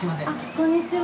こんにちは。